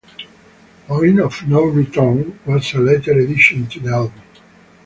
"Point of Know Return" was a later addition to the album.